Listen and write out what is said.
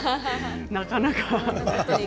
なかなか。